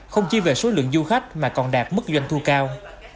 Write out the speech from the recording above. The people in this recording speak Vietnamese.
không chỉ về số lượng du khách mà còn đạt mức doanh thu cao